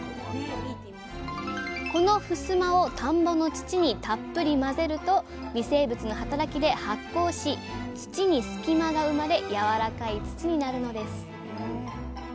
このふすまを田んぼの土にたっぷり混ぜると微生物の働きで発酵し土に隙間が生まれやわらかい土になるのです。